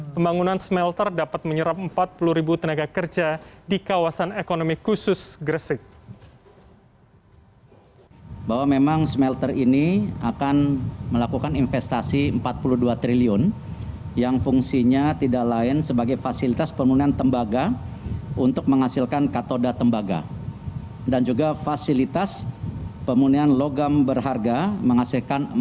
pembangunan smelter dapat menyerap rp empat puluh tenaga kerja di kawasan ekonomi khusus gresik